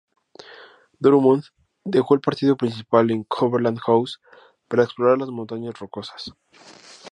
Drummond dejó el partido principal en Cumberland House para explorar las Montañas Rocosas.